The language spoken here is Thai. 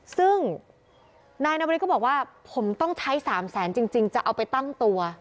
ซึ่งนายนบริก็บอกว่าผมต้องใช้๓แสนจริงจะเอาไปตั้งตัว